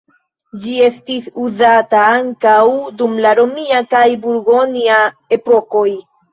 Ĝi estis uzata ankaŭ dum la romia kaj burgonja epokoj.